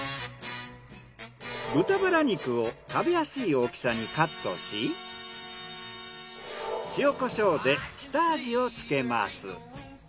豚バラ肉を食べやすい大きさにカットし塩・コショウで下味をつけます。